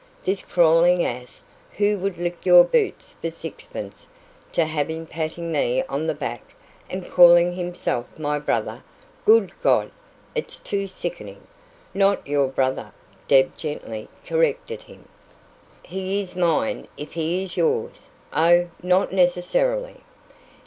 This crawling ass, who would lick your boots for sixpence, to have him patting me on the back and calling himself my brother Good God! it's too sickening." "Not YOUR brother," Deb gently corrected him. "He is mine if he is yours." "Oh, not necessarily!"